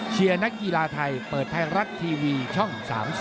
นักกีฬาไทยเปิดไทยรัฐทีวีช่อง๓๒